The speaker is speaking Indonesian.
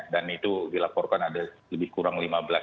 dan itu dilaporkan ada lebih kurang lima belas